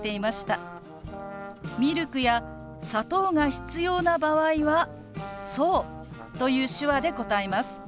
ミルクや砂糖が必要な場合は「そう」という手話で答えます。